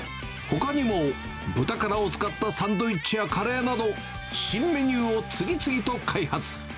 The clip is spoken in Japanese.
ほかにもブタカラを使ったサンドイッチやカレーなど、新メニューを次々と開発。